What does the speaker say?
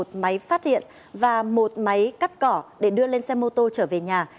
sang đã lấy một máy phát hiện và một máy cắt cỏ để đưa lên xe mô tô trở về nhà